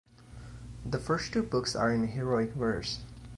The first two books are in heroic verse.